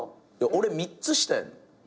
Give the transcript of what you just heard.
俺３つ下や。